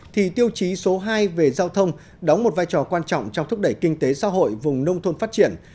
thì tiêu chí số hai về giao thông đóng một vai trò quan trọng trong thúc đẩy kinh tế xã hội vùng nông thôn phát triển